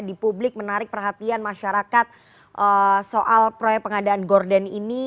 di publik menarik perhatian masyarakat soal proyek pengadaan gordon ini